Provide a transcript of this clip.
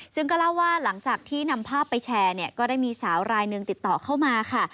ซึ่งก็เล่าว่าหลังจากที่นำภาพไปแชร์เนี่ยก็ได้มีสาวรายหนึ่งติดต่อเข้ามาค่ะ